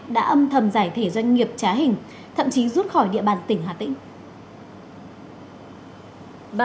đã âm thầm giải thể doanh nghiệp trá hình thậm chí rút khỏi địa bàn tỉnh hà tĩnh